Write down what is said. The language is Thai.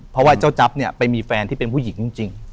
เพราะว่าเจ้าจั๊บเนี่ยไปมีแฟนที่เป็นผู้หญิงจริง